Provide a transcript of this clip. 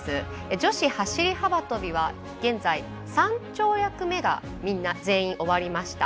女子走り幅跳びは現在、３跳躍目が全員終わりました。